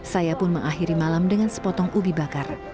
saya pun mengakhiri malam dengan sepotong ubi bakar